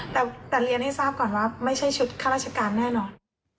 แต่เรียนให้ทราบก่อนว่าไม่ใช่ชุดข้าราชการแน่นอน